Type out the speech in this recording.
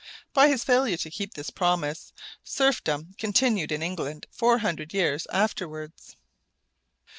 By his failure to keep this promise, serfdom continued in England four hundred years afterwards.